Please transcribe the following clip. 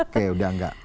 oke udah enggak